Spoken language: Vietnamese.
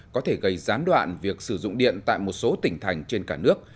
có thể gây gián đoạn việc sử dụng điện tại một số tỉnh thành trên cả nước